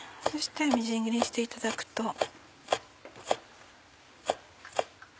そしてみじん切りにしていただくと。